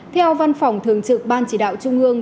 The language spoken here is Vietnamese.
theo văn phòng thường trực ban chỉ đạo trung ương